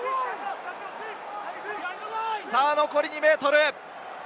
残り２ｍ！